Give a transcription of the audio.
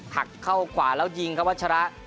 หักเข้าขวาแล้วยิงครับวัชระ